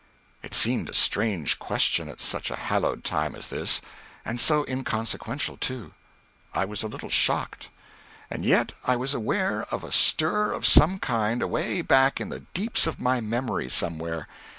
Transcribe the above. It seemed a strange question at such a hallowed time as this. And so inconsequential, too. I was a little shocked. And yet I was aware of a stir of some kind away back in the deeps of my memory somewhere.